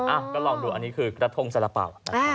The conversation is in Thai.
อ้าวก็ลองดูอันนี้คือกระทงสละเปล่า